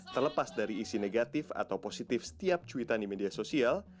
terlepas dari isi negatif atau positif setiap cuitan di media sosial